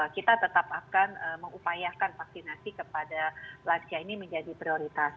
kita tetap akan mengupayakan vaksinasi kepada lansia ini menjadi prioritas